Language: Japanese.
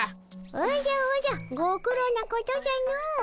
おじゃおじゃご苦労なことじゃの。